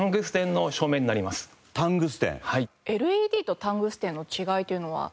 ＬＥＤとタングステンの違いというのは？